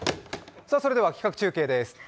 それでは企画中継です。